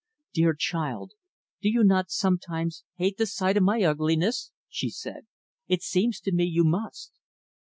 "Dear child, do you not sometimes hate the sight of my ugliness?" she said. "It seems to me, you must."